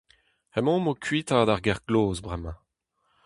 Emaomp o kuitaat ar gêr-gloz bremañ.